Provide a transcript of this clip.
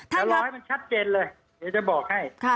เดี๋ยวรอให้มันชัดเจนเลยเดี๋ยวจะบอกให้